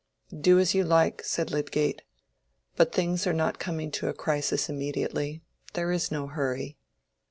"Do as you like," said Lydgate. "But things are not coming to a crisis immediately. There is no hurry."